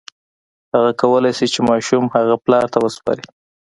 هغه کولی شي چې ماشوم هغه پلار ته وسپاري.